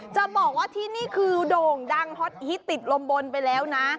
จะบอกว่าที่นี่คือโด่งดังฮอตฮิตติดลมบนไปแล้วนะ